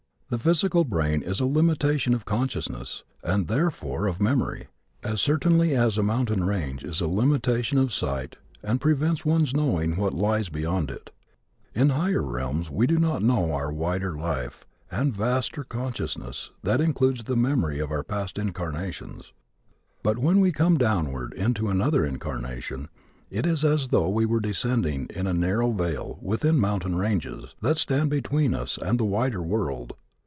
The physical brain is a limitation of consciousness, and therefore of memory, as certainly as a mountain range is a limitation of sight and prevents one's knowing what lies beyond it. In higher realms we do know our wider life and vaster consciousness that includes the memory of our past incarnations. But when we come downward into another incarnation it is as though we were descending in a narrow vale within mountain ranges that stand between us and the wider world.